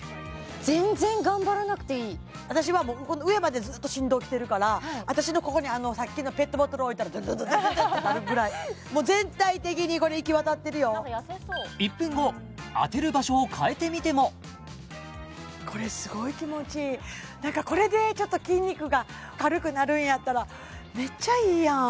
全然頑張らなくていい私はもう上まで振動きてるから私のここにあのさっきのペットボトル置いたらドドドドドってなるぐらいもう１分後当てる場所を変えてみてもこれ何かこれでちょっと筋肉が軽くなるんやったらめっちゃいいやん